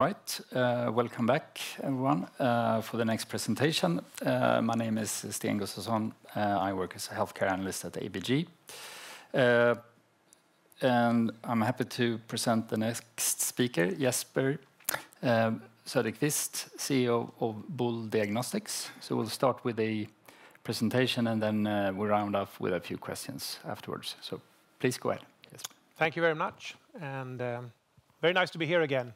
All right, welcome back, everyone, for the next presentation. My name is Sten Gustafsson, I work as a healthcare analyst at ABG. And I'm happy to present the next speaker, Jesper Söderqvist, CEO of Boule Diagnostics. So we'll start with a presentation, and then we'll round off with a few questions afterwards. So please go ahead, Jesper. Thank you very much, and very nice to be here again.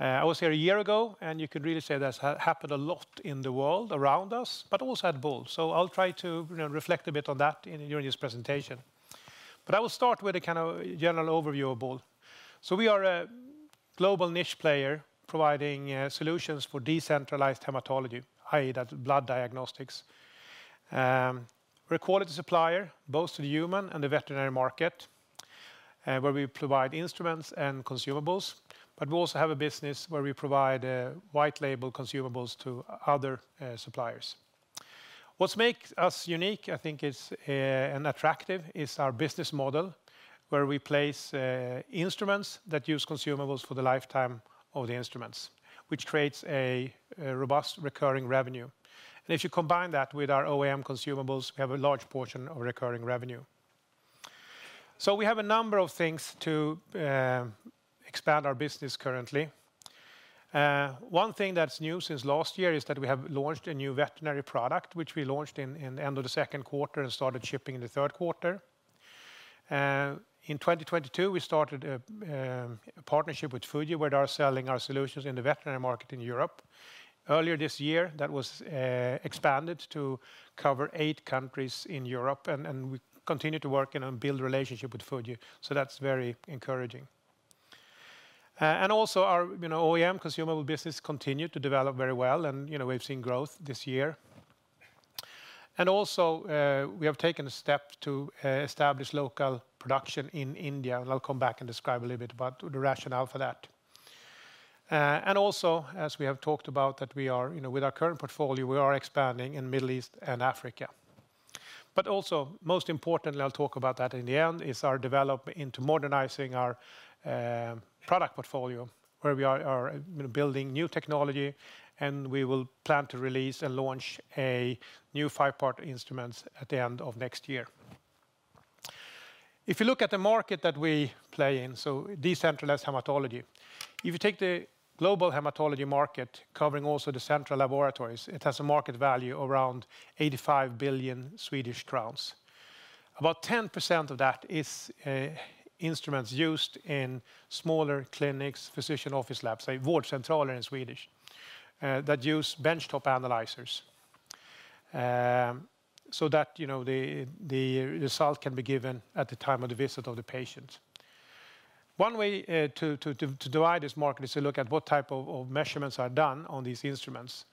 I was here a year ago, and you could really say that's happened a lot in the world around us, but also at Boule. So I'll try to, you know, reflect a bit on that during this presentation. But I will start with a kind of general overview of Boule. So we are a global niche player, providing solutions for decentralized hematology, i.e., that blood diagnostics. We're a quality supplier, both to the human and the veterinary market, where we provide instruments and consumables, but we also have a business where we provide white label consumables to other suppliers. What makes us unique, I think, is, and attractive, is our business model, where we place instruments that use consumables for the lifetime of the instruments, which creates a robust recurring revenue. And if you combine that with our OEM consumables, we have a large portion of recurring revenue. So we have a number of things to expand our business currently. One thing that's new since last year is that we have launched a new veterinary product, which we launched in the end of the second quarter and started shipping in the third quarter. In 2022, we started a partnership with Fuji, where they are selling our solutions in the veterinary market in Europe. Earlier this year, that was expanded to cover eight countries in Europe, and we continue to work and build relationship with Fuji. So that's very encouraging. Our, you know, OEM consumable business continued to develop very well, and, you know, we've seen growth this year. We have taken a step to establish local production in India, and I'll come back and describe a little bit about the rationale for that. As we have talked about, that we are, you know, with our current portfolio, we are expanding in Middle East and Africa. Most importantly, I'll talk about that in the end, is our develop into modernizing our product portfolio, where we are, you know, building new technology, and we will plan to release and launch a new five-part instruments at the end of next year. If you look at the market that we play in, so decentralized hematology. If you take the global hematology market, covering also the central laboratories, it has a market value around 85 billion Swedish crowns. About 10% of that is instruments used in smaller clinics, physician office labs, a vårdcentral in Swedish, that use benchtop analyzers. So that, you know, the result can be given at the time of the visit of the patient. One way to divide this market is to look at what type of measurements are done on these instruments,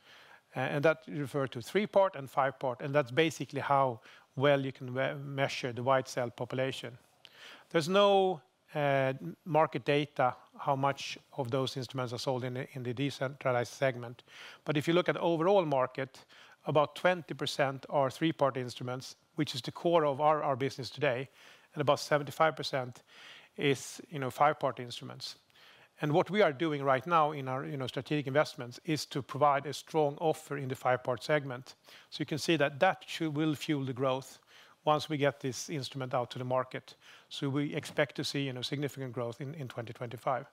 and that refer to three-part and five-part, and that's basically how well you can measure the white cell population. There's no market data, how much of those instruments are sold in the decentralized segment. But if you look at overall market, about 20% are three-part instruments, which is the core of our business today, and about 75% is, you know, five-part instruments. What we are doing right now in our, you know, strategic investments, is to provide a strong offer in the five-part segment. So you can see that that should, will fuel the growth once we get this instrument out to the market, so we expect to see, you know, significant growth in 2025.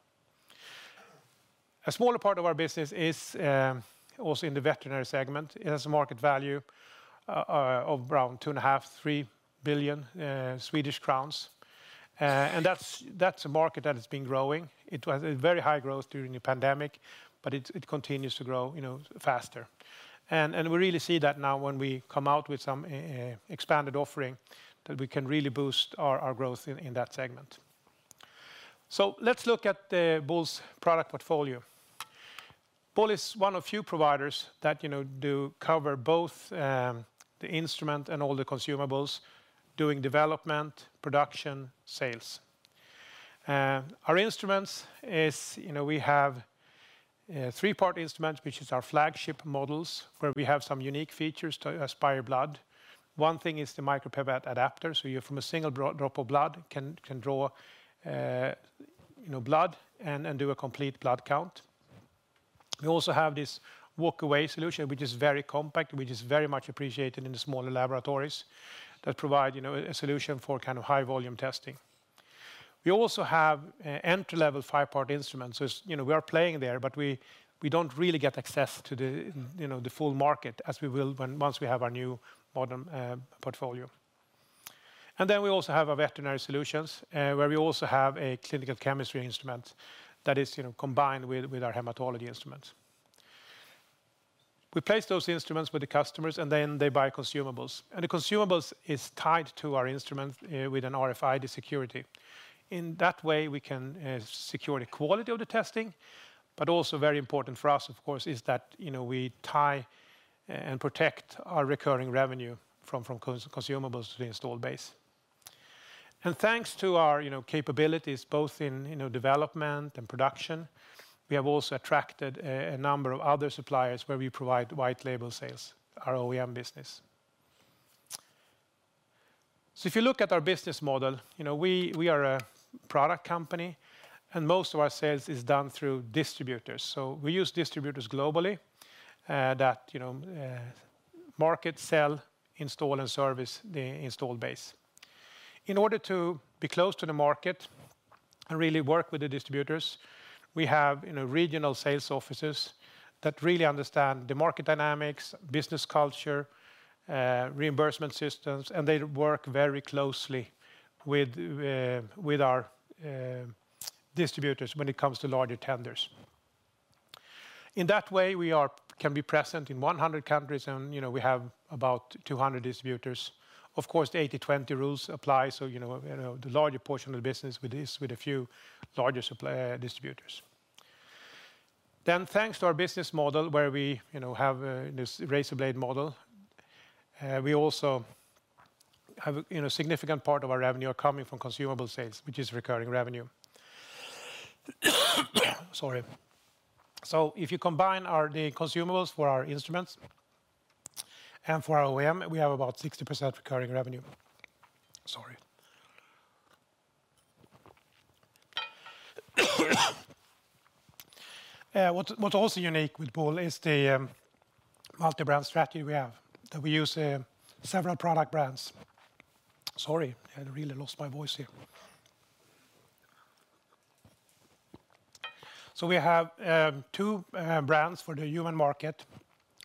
A smaller part of our business is also in the veterinary segment. It has a market value of around 2.5 billion-3 billion Swedish crowns. And that's a market that has been growing. It was a very high growth during the pandemic, but it continues to grow, you know, faster. We really see that now when we come out with some expanded offering, that we can really boost our growth in that segment. So let's look at the Boule's product portfolio. Boule is one of few providers that, you know, do cover both the instrument and all the consumables, doing development, production, sales. Our instruments is, you know, we have three-part instruments, which is our flagship models, where we have some unique features to aspirate blood. One thing is the micropipette adapter, so you, from a single drop of blood, can draw, you know, blood and do a complete blood count. We also have this walk-away solution, which is very compact, which is very much appreciated in the smaller laboratories, that provide, you know, a solution for kind of high volume testing. We also have an entry-level five-part instrument, so it's, you know, we are playing there, but we, we don't really get access to the, you know, the full market as we will when, once we have our new modern portfolio. And then we also have our veterinary solutions, where we also have a clinical chemistry instrument that is, you know, combined with, with our hematology instruments. We place those instruments with the customers, and then they buy consumables. And the consumables is tied to our instruments, with an RFID security. In that way, we can secure the quality of the testing, but also very important for us, of course, is that, you know, we tie and protect our recurring revenue from consumables to the installed base. Thanks to our, you know, capabilities, both in, you know, development and production, we have also attracted a number of other suppliers where we provide white label sales, our OEM business. So if you look at our business model, you know, we are a product company, and most of our sales is done through distributors. So we use distributors globally that, you know, market, sell, install, and service the installed base. In order to be close to the market and really work with the distributors, we have, you know, regional sales offices that really understand the market dynamics, business culture, reimbursement systems, and they work very closely with our distributors when it comes to larger tenders. In that way, we can be present in 100 countries, and, you know, we have about 200 distributors. Of course, the 80/20 rules apply, so, you know, you know, the larger portion of the business with this, with a few larger suppliers, distributors. Then, thanks to our business model, where we, you know, have, this razorblade model, we also have, you know, significant part of our revenue are coming from consumable sales, which is recurring revenue. So if you combine our, the consumables for our instruments and for our OEM, we have about 60% recurring revenue. What's also unique with Boule is the, multi-brand strategy we have, that we use, several product brands. So we have, two, brands for the human market,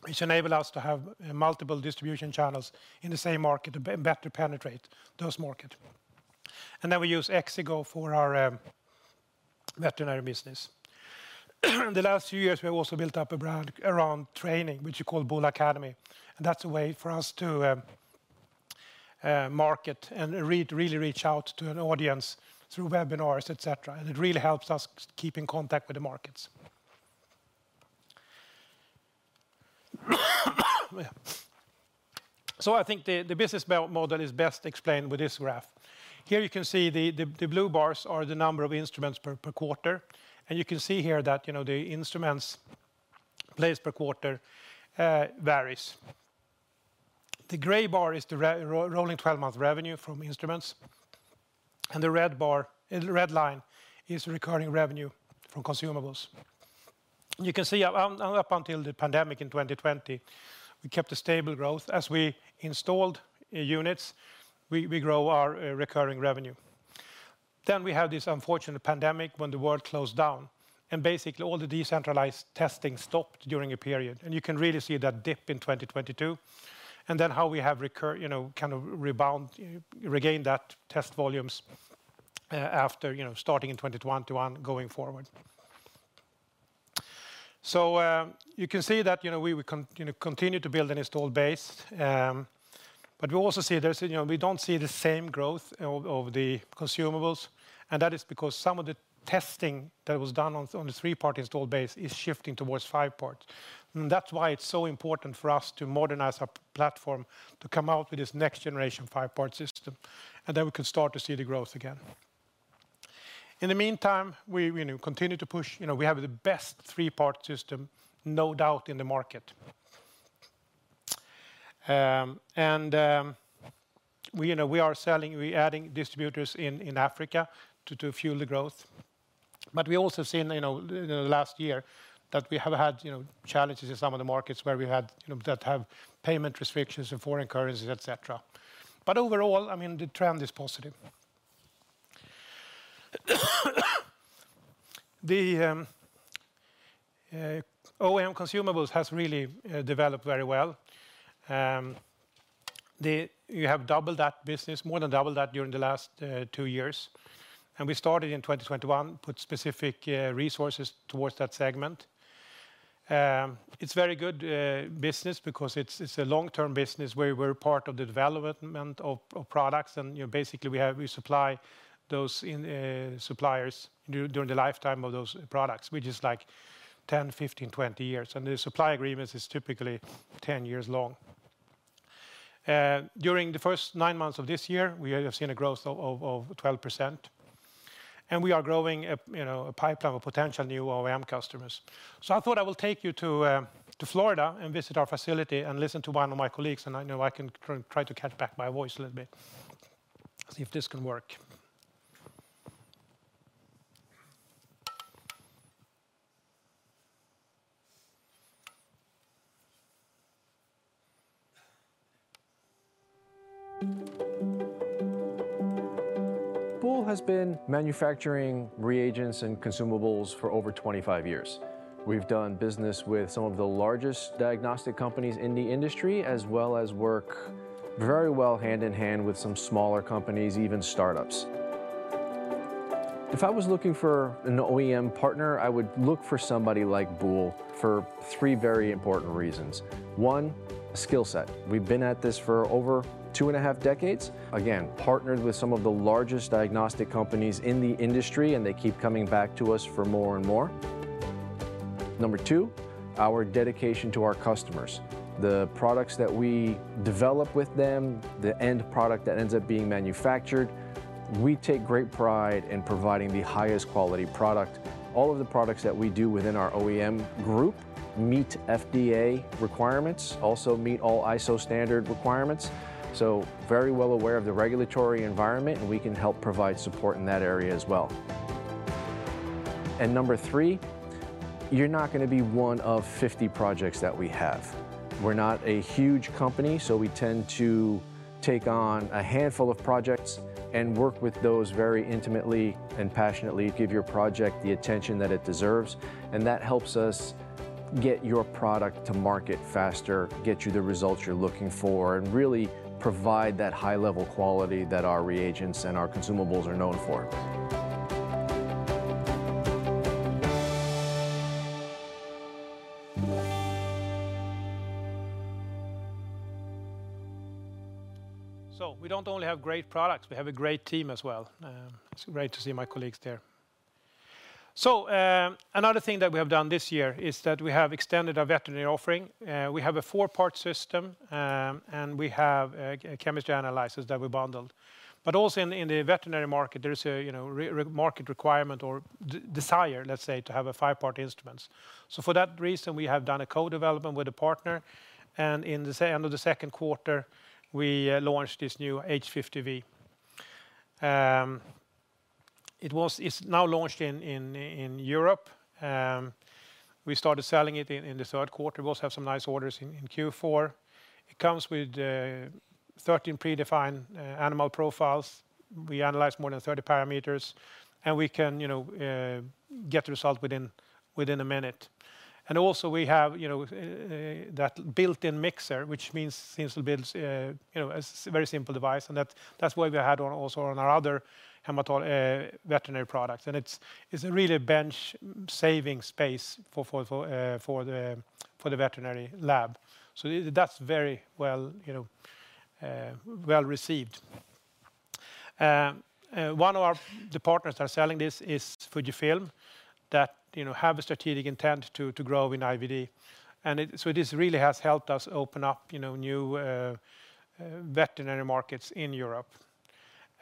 which enable us to have, multiple distribution channels in the same market to better penetrate those markets. We use Exigo for our veterinary business. The last few years, we have also built up a brand around training, which we call Boule Academy, and that's a way for us to market and really reach out to an audience through webinars, et cetera, and it really helps us keep in contact with the markets. I think the business model is best explained with this graph. Here you can see the blue bars are the number of instruments per quarter, and you can see here that, you know, the instruments placed per quarter varies. The gray bar is the rolling twelve-month revenue from instruments, and the red bar, the red line, is recurring revenue from consumables. You can see up until the pandemic in 2020, we kept a stable growth. As we installed units, we grow our recurring revenue. Then we had this unfortunate pandemic when the world closed down, and basically, all the decentralized testing stopped during a period, and you can really see that dip in 2022, and then how we have, you know, kind of rebound, regain that test volumes after, you know, starting in 2021 going forward. So, you can see that, you know, we will, you know, continue to build an installed base, but we also see there's, you know, we don't see the same growth of the consumables, and that is because some of the testing that was done on the three-part installed base is shifting towards five-part. And that's why it's so important for us to modernize our platform to come out with this next generation five-part system, and then we can start to see the growth again. In the meantime, we you know continue to push. You know, we have the best three-part system, no doubt, in the market. And we you know we are selling, we adding distributors in Africa to fuel the growth. But we also seen you know in the last year that we have had you know challenges in some of the markets where we had you know that have payment restrictions and foreign currencies, et cetera. But overall, I mean, the trend is positive. The OEM consumables has really developed very well. We have doubled that business, more than doubled that during the last two years, and we started in 2021 put specific resources towards that segment. It's very good business because it's a long-term business where we're part of the development of products, and you know, basically, we supply those in suppliers during the lifetime of those products, which is like 10, 15, 20 years, and the supply agreements is typically 10 years long. During the first nine months of this year, we have seen a growth of 12%, and we are growing a you know, a pipeline of potential new OEM customers. So I thought I will take you to Florida and visit our facility and listen to one of my colleagues, and I know I can try to catch back my voice a little bit. See if this can work. [Video playing] [Video playing] So we don't only have great products, we have a great team as well. It's great to see my colleagues there. So, another thing that we have done this year is that we have extended our veterinary offering. We have a four-part system, and we have a chemistry analysis that we bundled. But also in the veterinary market, there is a, you know, market requirement or desire, let's say, to have five-part instruments. So for that reason, we have done a co-development with a partner, and in the end of the second quarter, we launched this new H50V. It's now launched in Europe. We started selling it in the third quarter. We also have some nice orders in Q4. It comes with 13 predefined animal profiles. We analyze more than 30 parameters, and we can, you know, get the result within a minute. Also we have, you know, that built-in mixer, which means a very simple device, and that's why we have it on, also on our other hematology veterinary products. It's really a bench-saving space for the veterinary lab. So that's very well, you know, well-received. One of our partners that are selling this is Fujifilm, that, you know, have a strategic intent to grow in IVD. So this really has helped us open up, you know, new veterinary markets in Europe.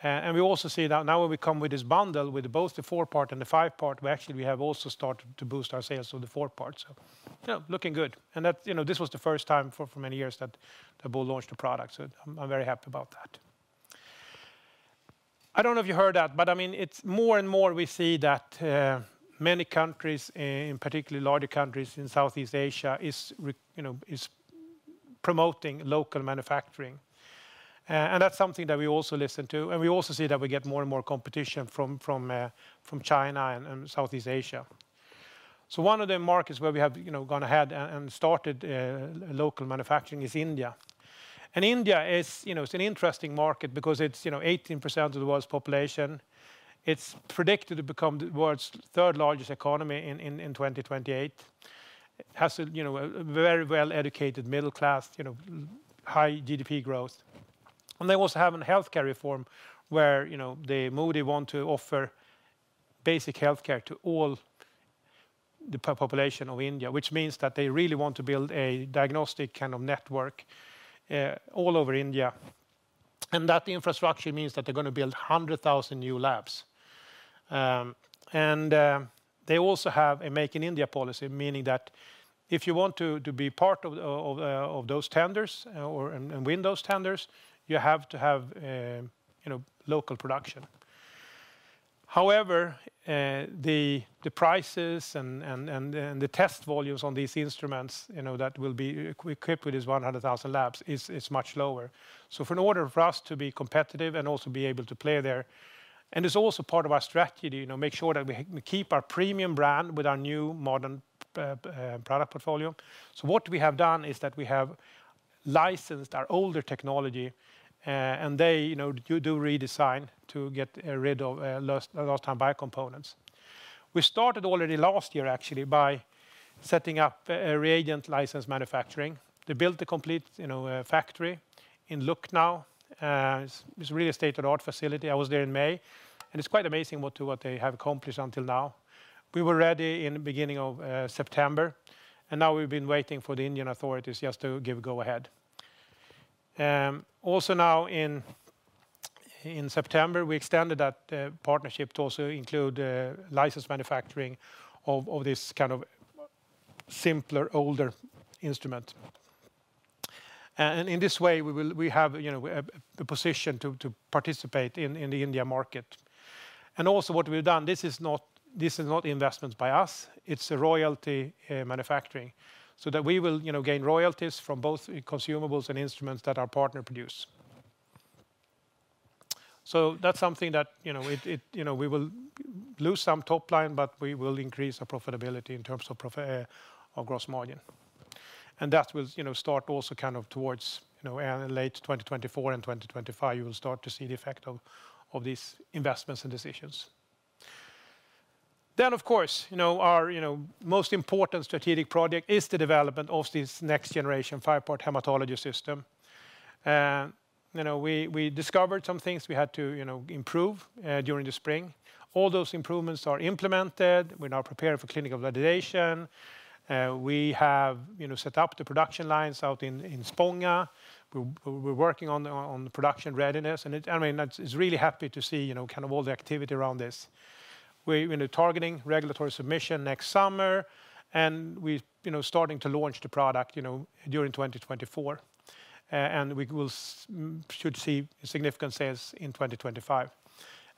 And we also see that now when we come with this bundle, with both the four-part and the five-part, we actually, we have also started to boost our sales of the four-part. So, yeah, looking good. And that, you know, this was the first time for many years that we launched a product, so I'm very happy about that. I don't know if you heard that, but, I mean, it's more and more we see that many countries, and particularly larger countries in Southeast Asia, is promoting local manufacturing. And that's something that we also listen to, and we also see that we get more and more competition from China and Southeast Asia. So one of the markets where we have, you know, gone ahead and started local manufacturing is India. India is, you know, it's an interesting market because it's, you know, 18% of the world's population. It's predicted to become the world's third largest economy in 2028. It has a, you know, a very well-educated middle class, you know, high GDP growth. And they also have a healthcare reform where, you know, the Modi want to offer basic healthcare to all the population of India, which means that they really want to build a diagnostic kind of network all over India. And that infrastructure means that they're going to build 100,000 new labs. And they also have a Make in India policy, meaning that if you want to be part of those tenders or win those tenders, you have to have, you know, local production. However, the prices and the test volumes on these instruments, you know, that will be equipped with these 100,000 labs, is much lower. So in order for us to be competitive and also be able to play there, and it's also part of our strategy, you know, make sure that we keep our premium brand with our new modern product portfolio. So what we have done is that we have licensed our older technology, and they, you know, redesign to get rid of last-time-buy components. We started already last year, actually, by setting up a reagent license manufacturing. They built a complete, you know, factory in Lucknow. It's a really state-of-the-art facility. I was there in May, and it's quite amazing what they have accomplished until now. We were ready in the beginning of September, and now we've been waiting for the Indian authorities just to give go ahead. Also now in September, we extended that partnership to also include license manufacturing of this kind of simpler, older instrument. And in this way, we will have, you know, a position to participate in the India market. And also what we've done, this is not investments by us, it's a royalty manufacturing, so that we will, you know, gain royalties from both consumables and instruments that our partner produce. So that's something that, you know, we will lose some top line, but we will increase our profitability in terms of prof- of gross margin. And that will, you know, start also kind of towards, you know, late 2024 and 2025, you will start to see the effect of these investments and decisions. Then, of course, you know, our, you know, most important strategic project is the development of this next generation five-part hematology system. You know, we discovered some things we had to, you know, improve during the spring. All those improvements are implemented. We're now preparing for clinical validation. We have, you know, set up the production lines out in Spånga. We're working on the production readiness, and it, I mean, that's. It's really happy to see, you know, kind of all the activity around this. We're, you know, targeting regulatory submission next summer, and we, you know, starting to launch the product, you know, during 2024, and we should see significant sales in 2025.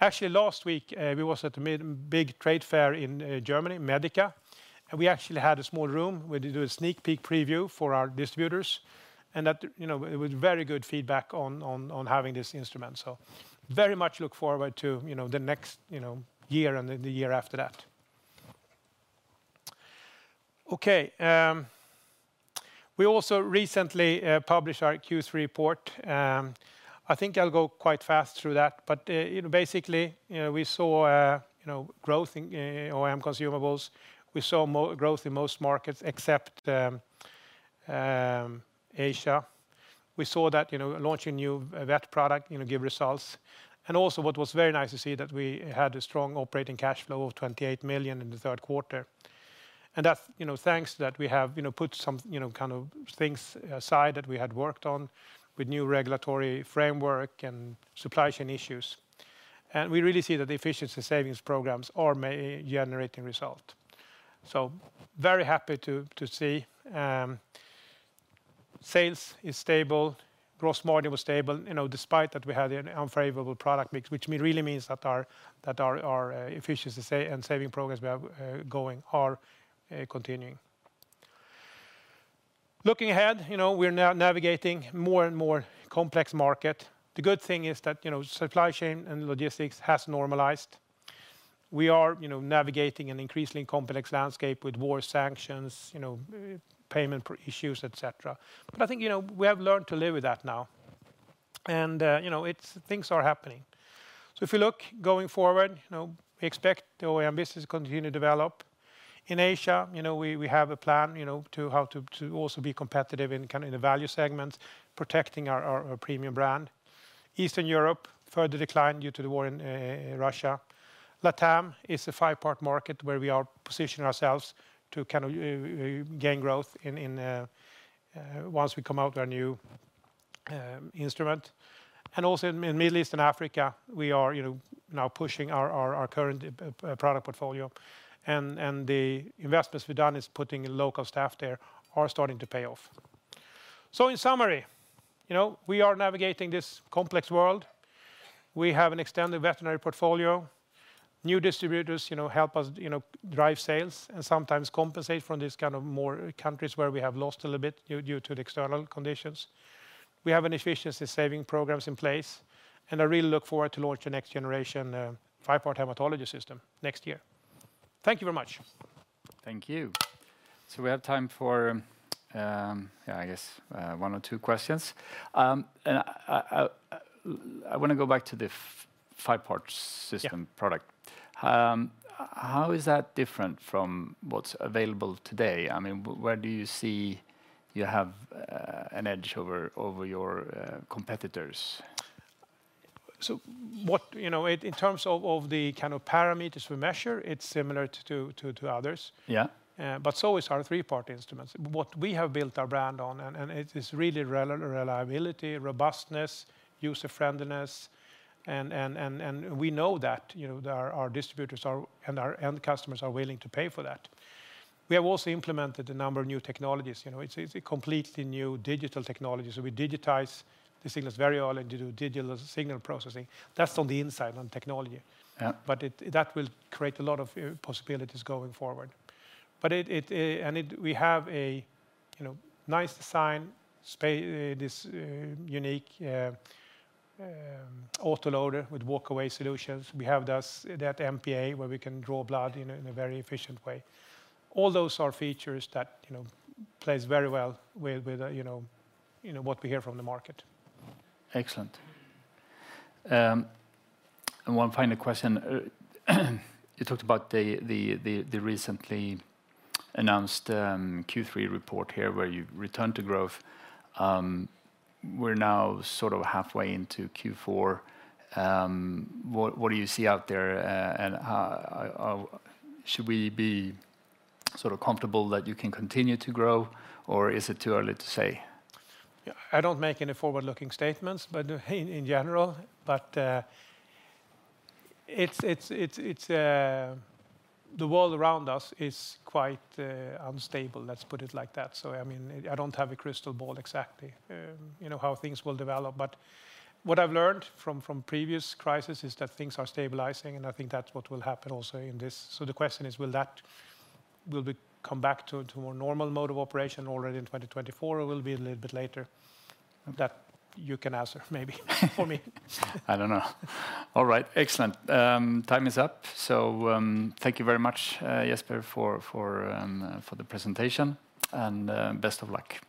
Actually, last week, we was at a big trade fair in Germany, Medica, and we actually had a small room where we do a sneak peek preview for our distributors, and that, you know, it was very good feedback on having this instrument. So very much look forward to, you know, the next, you know, year and then the year after that. Okay, we also recently published our Q3 report. I think I'll go quite fast through that. But, you know, basically, you know, we saw, you know, growth in OEM consumables. We saw growth in most markets, except Asia. We saw that, you know, launching new VET product, you know, give results. And also, what was very nice to see that we had a strong operating cash flow of 28 million in the third quarter. And that, you know, thanks that we have, you know, put some, you know, kind of things aside that we had worked on with new regulatory framework and supply chain issues. And we really see that the efficiency savings programs are generating result. So very happy to see sales is stable, gross margin was stable, you know, despite that we had an unfavorable product mix, which really means that our, that our, our efficiency savings and saving programs we have going are continuing. Looking ahead, you know, we're now navigating more and more complex market. The good thing is that, you know, supply chain and logistics has normalized. We are, you know, navigating an increasingly complex landscape with war sanctions, you know, payment issues, et cetera. But I think, you know, we have learned to live with that now. You know, it's things are happening. So if you look going forward, you know, we expect the OEM business to continue to develop. In Asia, you know, we have a plan, you know, to also be competitive in kind, in the value segment, protecting our premium brand. Eastern Europe, further decline due to the war in Russia. LATAM is a five-part market where we are positioning ourselves to kind of gain growth in once we come out with our new instrument. Also in Middle East and Africa, we are, you know, now pushing our current product portfolio, and the investments we've done is putting local staff there are starting to pay off. So in summary, you know, we are navigating this complex world. We have an extended veterinary portfolio. New distributors, you know, help us, you know, drive sales and sometimes compensate from these kind of more countries where we have lost a little bit due to the external conditions. We have an efficiency saving programs in place, and I really look forward to launch the next generation five-part hematology system next year. Thank you very much. Thank you. So we have time for, yeah, I guess, one or two questions. And I wanna go back to the five-part system- Yeah.... product. How is that different from what's available today? I mean, where do you see you have an edge over your competitors? So what... You know, in terms of the kind of parameters we measure, it's similar to others. Yeah. But so is our three-part instruments. What we have built our brand on, and it, it's really reliability, robustness, user friendliness, and we know that, you know, our distributors are, and our end customers are willing to pay for that. We have also implemented a number of new technologies. You know, it's a completely new digital technology, so we digitize the signals very well, and we do digital signal processing. That's on the inside, on technology. Yeah. But it that will create a lot of possibilities going forward. But it and it we have a you know nice design this autoloader with walk away solutions. We have thus that MPA where we can draw blood in a in a very efficient way. All those are features that you know plays very well with with you know you know what we hear from the market. Excellent. One final question. You talked about the recently announced Q3 report here, where you returned to growth. We're now sort of halfway into Q4. What do you see out there, and how should we be sort of comfortable that you can continue to grow, or is it too early to say? Yeah, I don't make any forward-looking statements, but in general, but it's the world around us is quite unstable. Let's put it like that. So I mean, I don't have a crystal ball, exactly, you know, how things will develop, but what I've learned from previous crisis is that things are stabilizing, and I think that's what will happen also in this. So the question is, will we come back to a more normal mode of operation already in 2024, or will it be a little bit later? That you can answer, maybe for me. I don't know. All right. Excellent. Time is up, so thank you very much, Jesper, for the presentation, and best of luck.